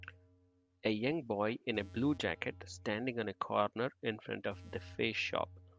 A young boy in a blue jacket standing on a corner in front of THEFACESHOP.